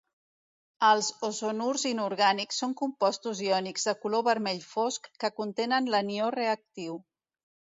Els ozonurs inorgànics són compostos iònics de color vermell fosc que contenen l'anió reactiu.